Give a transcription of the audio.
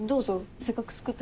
せっかく作ったし。